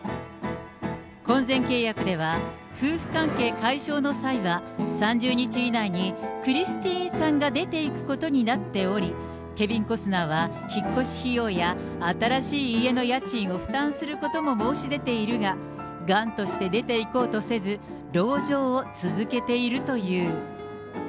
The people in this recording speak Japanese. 婚前契約では、夫婦関係解消の際は、３０日以内にクリスティーンさんが出ていくことになっており、ケビン・コスナーは、引っ越し費用や新しい家の家賃を負担することも申し出ているが、頑として出ていこうとせず、籠城を続けているという。